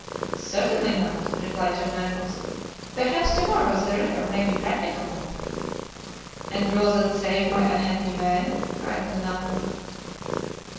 "Certainly not," replied John Mangles. "Perhaps tomorrow the river may be practicable." "And will that save my unhappy men?" cried Glenarvan.